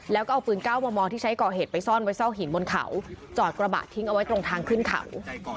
แล้วก็เอาปืน๙มมที่ใช้ก่อเหตุไปซ่อนไว้ซอกหินบนเขาจอดกระบะทิ้งเอาไว้ตรงทางขึ้นเขา